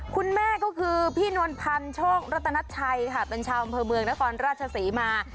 คุณแม่ก็คือพี่นวลพันธ์โชครัตนัชชัยค่ะเป็นชาวอำเภอเมืองนครราชศรีมา